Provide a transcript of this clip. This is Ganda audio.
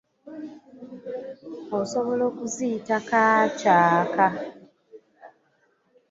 Osobola okuziyita kaacaaka.